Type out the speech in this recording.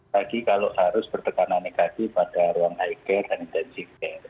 lagi kalau harus bertekanan negatif pada ruang high care dan intensive care